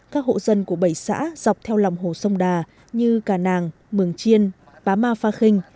các hộ dân của bảy xã dọc theo lòng hồ sông đà như cà nàng mường chiên bá ma pha kinh